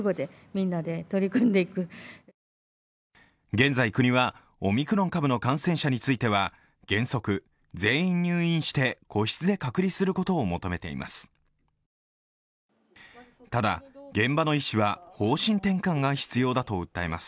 現在、国はオミクロン株の感染者については原則、全員入院して個室で隔離することを求めています。